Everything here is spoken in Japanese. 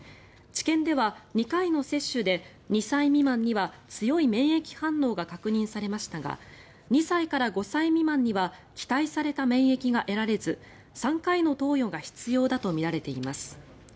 治験では２回の接種で２歳未満には強い免疫反応が確認されましたが２歳から５歳未満には期待された免疫が得られず３回の投与が必要だとみられています。